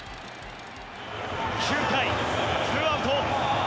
９回ツーアウト。